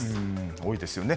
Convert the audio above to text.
多いですよね。